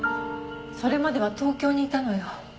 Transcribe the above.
それまでは東京にいたのよ。